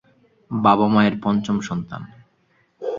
বাবা মায়ের পঞ্চম সন্তান।